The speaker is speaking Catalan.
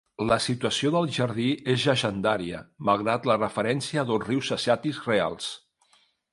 La situació del jardí és llegendària, malgrat la referència a dos rius asiàtics reals.